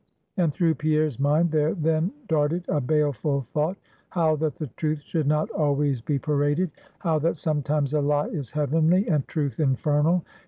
And through Pierre's mind there then darted a baleful thought; how that the truth should not always be paraded; how that sometimes a lie is heavenly, and truth infernal.